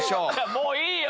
もういいよ！